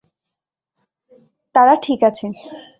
তারা ঠিক আছে।